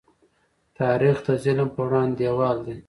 تاریخ د ظلم په وړاندې دیوال دی.